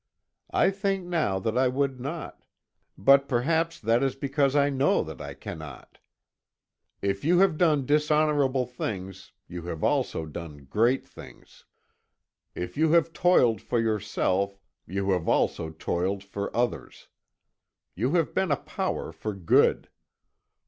I think now that I would not but perhaps that is because I know that I cannot. If you have done dishonorable things, you have also done great things. If you have toiled for yourself, you have also toiled for others. You have been a power for good.